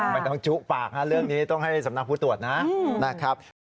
ไม่ต้องจุ๊บปากนะเรื่องนี้ต้องให้สำนักพุทธตรวจนะ